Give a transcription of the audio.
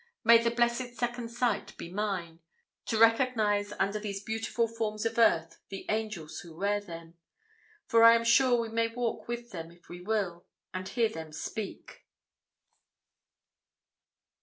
May the blessed second sight be mine to recognise under these beautiful forms of earth the ANGELS who wear them; for I am sure we may walk with them if we will, and hear them speak!